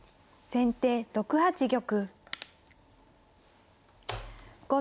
先手７八玉。